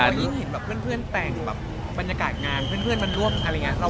แล้วยิ่งเห็นแบบเพื่อนแต่งแบบบรรยากาศงานเพื่อนมาร่วมอะไรอย่างนี้